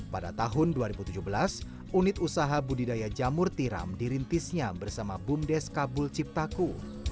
pada tahun dua ribu tujuh belas unit usaha budidaya jamur tiram dirintisnya bersama bumdes kabul ciptaku